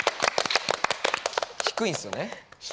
低いんですよね。